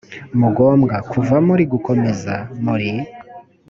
mugombwa kuva muri gukomeza muri